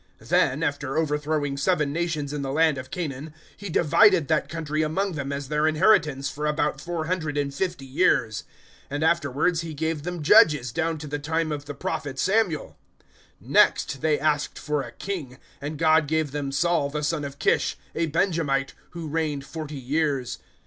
013:019 Then, after overthrowing seven nations in the land of Canaan, He divided that country among them as their inheritance for about four hundred and fifty years; 013:020 and afterwards He gave them judges down to the time of the Prophet Samuel. 013:021 Next they asked for a king, and God gave them Saul the son of Kish, a Benjamite, who reigned forty years.